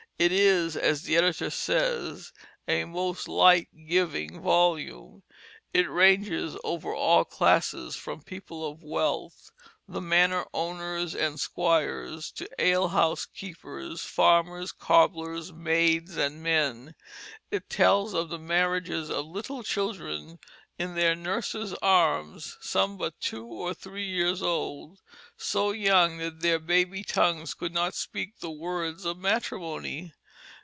It is, as the editor says, a "most light giving" volume. It ranges over all classes, from people of wealth, the manor owners and squires, to ale house keepers, farmers, cobblers, maids, and men. It tells of the marriages of little children in their nurses' arms, some but two or three years old, so young that their baby tongues could not speak the words of matrimony.